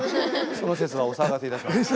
その節はお騒がせいたしました。